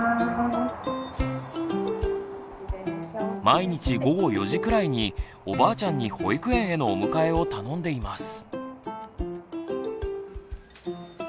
毎日午後４時くらいにおばあちゃんに保育園へのお迎えを頼んでいます。